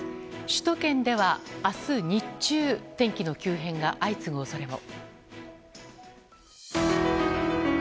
首都圏では明日日中天気の急変が相次ぐ恐れも。